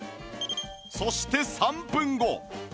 そして３分後